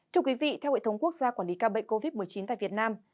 thưa quý vị theo hệ thống quốc gia quản lý ca bệnh covid một mươi chín tại việt nam